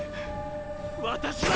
私は！